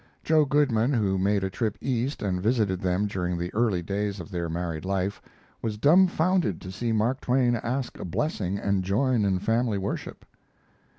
Joe Goodman, who made a trip East, and visited them during the early days of their married life, was dumfounded to see Mark Twain ask a blessing and join in family worship.